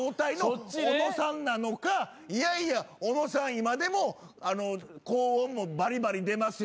今でも「高音もばりばり出ますよ」